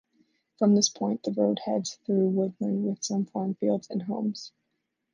From this point, the road heads through woodland with some farm fields and homes.